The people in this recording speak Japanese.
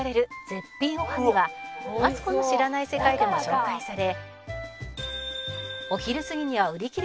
絶品おはぎは『マツコの知らない世界』でも紹介され」